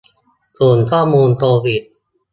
ศูนย์ข้อมูลโควิด